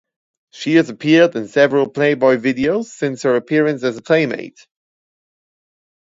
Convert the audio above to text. She has appeared in several Playboy videos since her appearance as a Playmate.